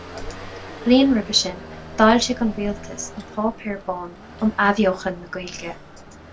Bliain roimhe sin, d'fhoilsigh an Rialtas an Páipéar Bán um Athbheochan na Gaeilge.